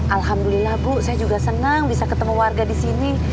alhamdulillah bu saya juga senang bisa ketemu warga disini